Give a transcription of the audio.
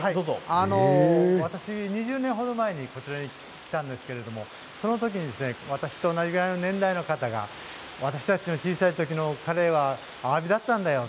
私は２０年程前にこちらに来たんですけれどその時に私と同じぐらいの年代の方が私たちの小さいころのカレーはあわびだったんだよ。